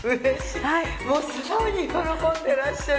ものすごい喜んでらっしゃる。